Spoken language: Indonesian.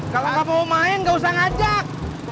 kalau gak mau main gak usah ngajak